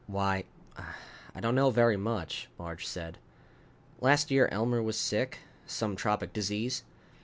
"Why, I don't know very much," Marge said. "Last year Elmer was sick, some tropic disease.